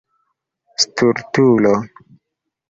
stultulo